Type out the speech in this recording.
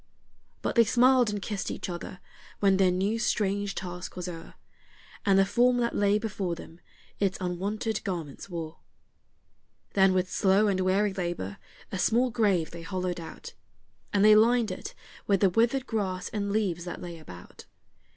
But they smiled and kissed each other when their new strange task was o'er, And the form that lay before them its unwonted garments wore. Then with slow and weary labor a small grave they hollowed out, And they lined it with the withered grass and leaves that lay about.